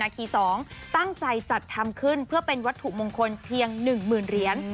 นาคีสองตั้งใจจัดทำขึ้นเพื่อเป็นวัตถุมงคลเพียงหนึ่งหมื่น